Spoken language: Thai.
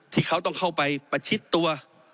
ที่เขาต้องเข้าไปประชิดตัว